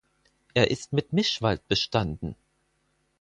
Er ist mit Mischwald bestanden.